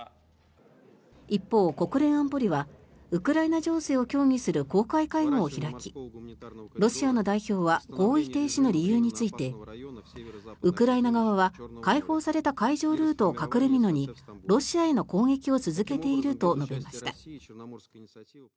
一方、国連安保理はウクライナ情勢を協議する公開会合を開きロシアの代表は合意停止の理由についてウクライナ側は、開放された海上ルートを隠れみのにロシアへの攻撃を続けていると述べました。